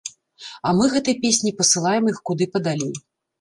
А мы гэтай песняй пасылаем іх куды падалей.